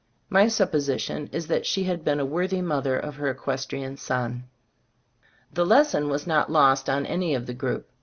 My supposition is that she had been a worthy mother of her equestrian son. The lesson was not lost on any of the group.